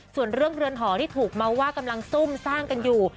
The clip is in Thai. ส่วนเรื่องเรือนหอที่ถูกเมาส์ว่ากำลังซุ่มสร้างกันอยู่